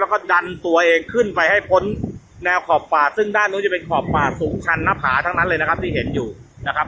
แล้วก็ดันตัวเองขึ้นไปให้พ้นแนวขอบป่าซึ่งด้านนู้นจะเป็นขอบป่าสูงชันหน้าผาทั้งนั้นเลยนะครับที่เห็นอยู่นะครับ